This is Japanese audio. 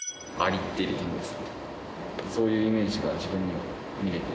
そういうイメージが自分には見えて。